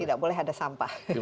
tidak boleh ada sampah